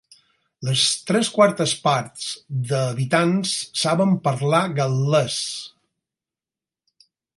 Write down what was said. Les tres quartes parts dels habitants saben parlar gal·lès.